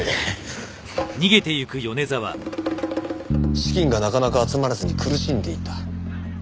資金がなかなか集まらずに苦しんでいた。